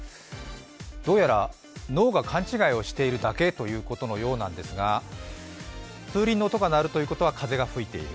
どうやら脳が勘違いをしているだけということのようなんですが、風鈴の音が鳴るということは風が吹いている。